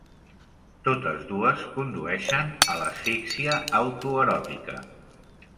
Totes dues condueixen a l'asfíxia auto-eròtica.